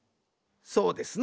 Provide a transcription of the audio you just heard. そうですな。